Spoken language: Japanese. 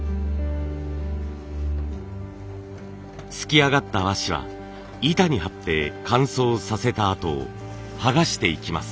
すき上がった和紙は板に貼って乾燥させたあと剥がしていきます。